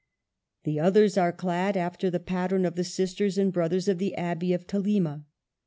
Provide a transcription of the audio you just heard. The others are clad after the pat tern of the sisters and brothers of the Abbey of Thelema.